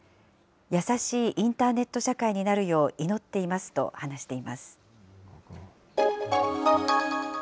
優しいインターネット社会になるよう祈っていますと話しています。